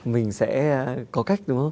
mình sẽ có cách đúng không